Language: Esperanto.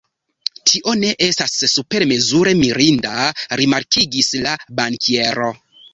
Tio ne estas supermezure mirinda, rimarkigis la bankiero.